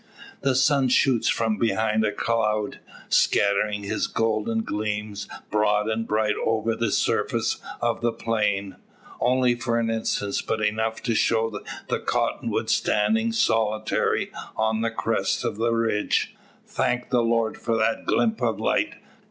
The sun shoots from behind a cloud, scattering his golden gleams broad and bright over the surface of the plain. Only for an instant, but enough to show the cottonwood standing solitary on the crest of the ridge. "Thank the Lord for that glimp o' light!"